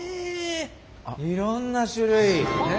いろんな種類。